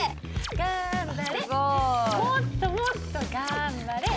頑張れもっともっと頑張れ。